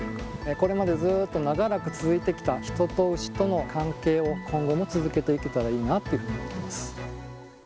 これまでずっと長らく続いてきた人と牛との関係を今後も続けていけたらいいなというふうに思います。